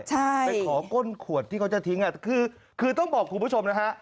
แต่ขอก้นขวดที่เขาจะทิ้งคือต้องบอกคุณผู้ชมนะคะ